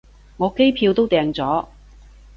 我機票都訂咗